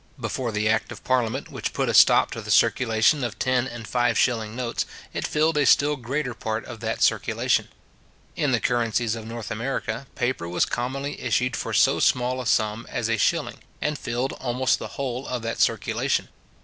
Before the Act of parliament which put a stop to the circulation of ten and five shilling notes, it filled a still greater part of that circulation. In the currencies of North America, paper was commonly issued for so small a sum as a shilling, and filled almost the whole of that circulation.